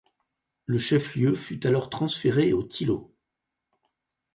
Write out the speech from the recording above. Le chef-lieu fut alors transféré au Thillot.